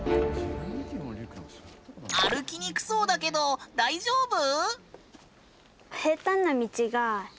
歩きにくそうだけど大丈夫？